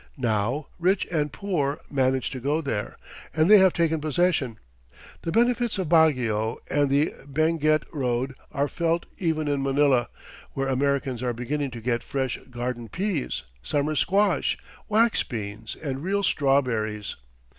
Now rich and poor manage to go there, and they have taken possession. The benefits of Baguio and the Benguet Road are felt even in Manila, where Americans are beginning to get fresh garden peas, summer squash, wax beans and real strawberries